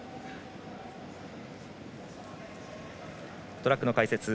トラックの解説